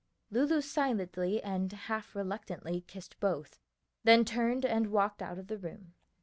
Lulu silently and half reluctantly kissed both, then turned and walked out of the room.